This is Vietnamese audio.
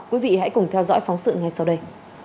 quý vị hãy cùng theo dõi phóng sự ngay sau đây